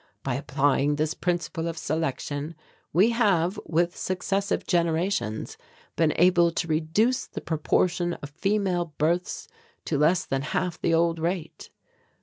By applying this principle of selection we have, with successive generations, been able to reduce the proportion of female births to less than half the old rate.